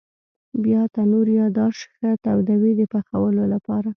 بیا تنور یا داش ښه تودوي د پخولو لپاره.